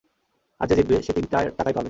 আর যে জিতবে, সে তিনটার টাকাই পাবে।